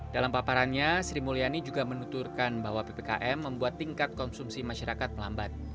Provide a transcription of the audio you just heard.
dalam paparannya sri mulyani juga menuturkan bahwa ppkm membuat tingkat konsumsi masyarakat melambat